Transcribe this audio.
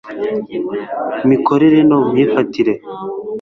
mikorere no mu myifatire